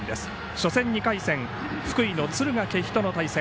初戦、２回戦福井・敦賀気比との対戦。